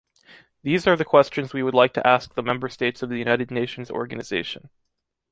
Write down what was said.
These are the questions we would like to ask the member states of the United Nations Organization.